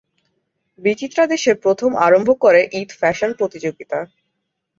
বিচিত্রা দেশে প্রথম আরম্ভ করে ঈদ ফ্যাশন প্রতিযোগিতা।